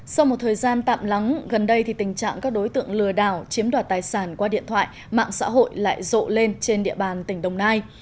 sau một thời gian tạm lắng gần đây thì tình trạng các đối tượng lừa đảo chiếm đoạt tài sản qua điện thoại mạng xã hội lại rộ lên trên địa bàn tỉnh đồng nai